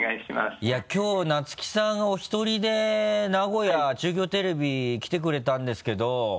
いやきょう菜月さんお一人で名古屋中京テレビ来てくれたんですけど。